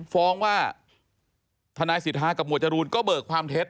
ฟ้องว่าทนายสิทธากับหมวดจรูนก็เบิกความเท็จ